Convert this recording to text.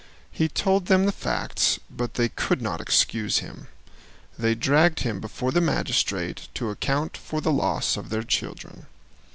He told them the facts, but they would not excuse him. They dragged him before the magistrate to account for the loss of their children.